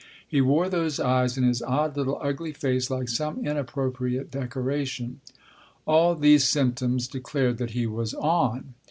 (He wore those eyes in his odd little ugly face like some inappropriate decoration.) All these symptoms declared that he was "on."